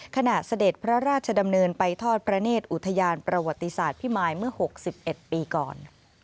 เสด็จพระราชดำเนินไปทอดพระเนธอุทยานประวัติศาสตร์พิมายเมื่อ๖๑ปีก่อน